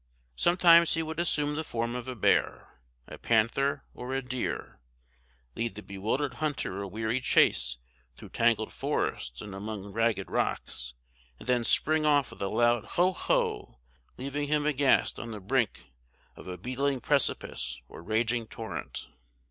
Sometimes he would assume the form of a bear, a panther, or a deer, lead the bewildered hunter a weary chase through tangled forests and among ragged rocks, and then spring off with a loud ho! ho! leaving him aghast on the brink of a beetling precipice or raging torrent.